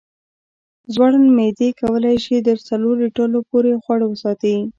زړوند معدې کولی شي تر څلورو لیټرو پورې خواړه وساتي.